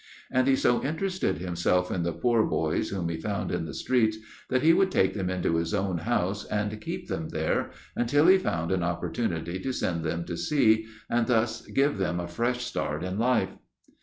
And he so interested himself in the poor boys whom he found in the streets that he would take them into his own house, and keep them there until he found an opportunity to send them to sea, and thus give them a fresh start in life.